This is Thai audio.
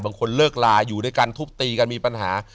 บางคนเลิกลาอยู่ด้วยกันทุบตีกันมีปัญหา